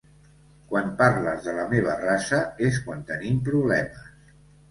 Quan parles de la meva raça és quan tenim problemes.